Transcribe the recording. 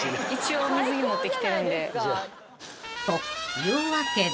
［というわけで］